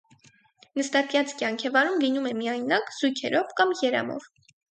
Նստակյաց կյանք է վարում, լինում է միայնակ, զույգերով կամ երամով։